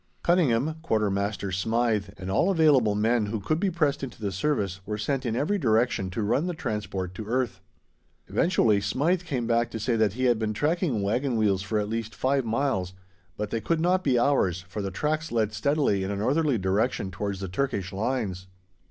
Cunningham, Quartermaster Smythe, and all available men who could be pressed into the service, were sent in every direction to run the Transport to earth. Eventually Smythe came back to say that he had been tracking wagon wheels for at least five miles, but they could not be ours, for the tracks led steadily in a northerly direction towards the Turkish lines.